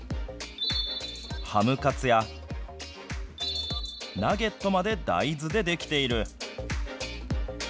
ハムカツや、ナゲットまで大豆で出来ている。